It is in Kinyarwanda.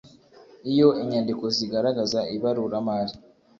Iyo inyandiko zigaragaza ibaruramari